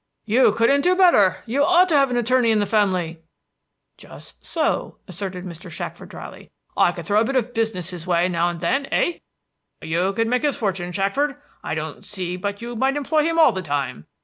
"You couldn't do better. You ought to have an attorney in the family." "Just so," assented Mr. Shackford, dryly. "I could throw a bit of business in his way now and then, eh?" "You could make his fortune, Shackford. I don't see but you might employ him all the time.